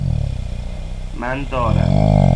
من دارم